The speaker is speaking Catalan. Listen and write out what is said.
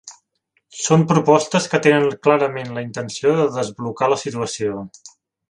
Són propostes que tenen clarament la intenció de desblocar la situació.